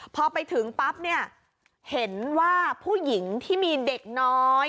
พอไปถึงปั๊บเนี่ยเห็นว่าผู้หญิงที่มีเด็กน้อย